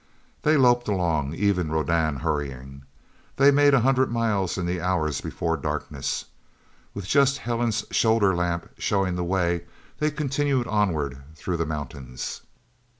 They loped along, even Rodan hurrying. They made a hundred miles in the hours before darkness. With just Helen's shoulder lamp showing the way, they continued onward through the mountains.